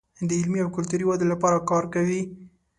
د علمي او کلتوري ودې لپاره کار کوي.